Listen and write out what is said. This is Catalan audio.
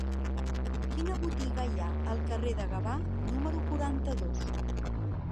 Quina botiga hi ha al carrer de Gavà número quaranta-dos?